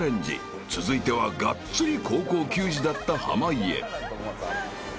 ［続いてはがっつり高校球児だった濱家］